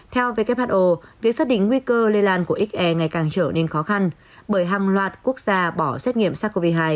theo who việc xác định nguy cơ lây lan của xr ngày càng trở nên khó khăn bởi hàng loạt quốc gia bỏ xét nghiệm sars cov hai